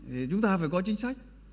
thì chúng ta phải có chính sách